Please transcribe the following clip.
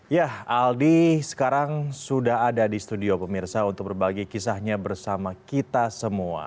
ya aldi sekarang sudah ada di studio pemirsa untuk berbagi kisahnya bersama kita semua